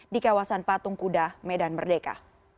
di kawasan patung kuda medan merdeka